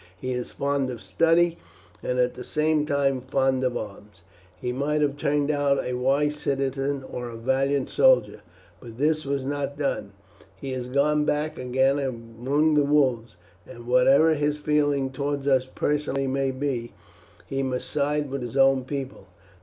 He is fond of study, and at the same time fond of arms; he might have turned out a wise citizen or a valiant soldier. But this was not done. He has gone back again among the wolves, and whatever his feelings towards us personally may be, he must side with his own people.